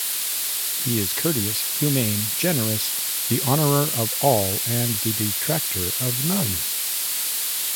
He is courteous, humane, generous, the honorer of all and the detractor of none.